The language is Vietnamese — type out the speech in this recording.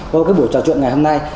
các bộ trò chuyện ngày hôm nay